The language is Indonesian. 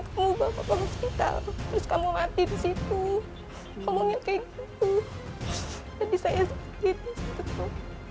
kamu bawa ke hospital terus kamu mati disitu ngomongnya kayak gitu jadi saya sakit disitu